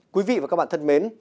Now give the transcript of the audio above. quý vị và các bạn thân mến